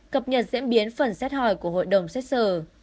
cập nhật diễn biến phần xét hỏi của hội đồng xét xử